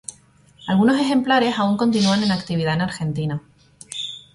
Algunos ejemplares aún continúan en actividad en Argentina.